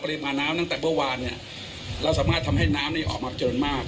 มาน้ำตั้งแต่เมื่อวานเนี่ยเราสามารถทำให้น้ำนี้ออกมาเกินมาก